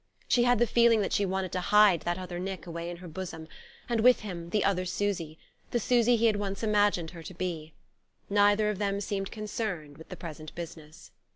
She had the feeling that she wanted to hide that other Nick away in her own bosom, and with him the other Susy, the Susy he had once imagined her to be.... Neither of them seemed concerned with the present business.